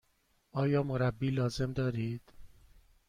آیا مربی لازم دارید؟